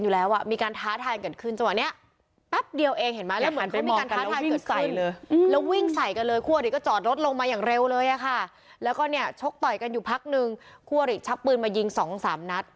แล้วชกต่อยกันอยู่ภักด์นึงครัวหลีกชับปืนมายิง๒๓นัด